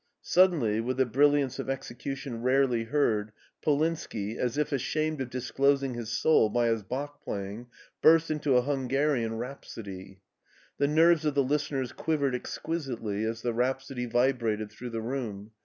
Suddenly, with a brilliance of execution rarely heard, Polinski, as if ashamed of disclosing his soul by his Bach plajring, burst into a Hungarian rhapsody. The nerves of the listeners quivered exquisitely as the rhapsody vibrated through the room.